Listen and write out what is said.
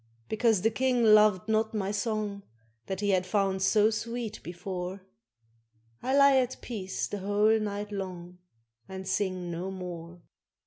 Because the King loved not my song That he had found so sweet before, I lie at peace the whole night long, And sing no more.